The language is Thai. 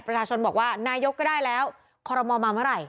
ประชาชนบอกว่านายกก็ได้แล้วคอรมอลมาเมื่อไหร่